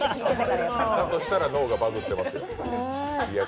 だとしたら脳がバグってます。